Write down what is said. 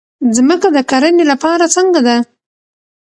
ځمکه د کرنې لپاره څنګه ده؟